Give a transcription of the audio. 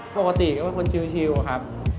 ปกติก็เป็นคนชิวครับ